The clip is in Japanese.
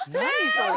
それ。